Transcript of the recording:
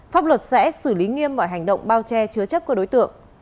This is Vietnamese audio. pháp luật sẽ xử lý nghiêm mọi hành động bao che chứa chấp của đối tượng